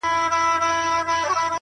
• ته چي دومره یې هوښیار نو به وزیر یې,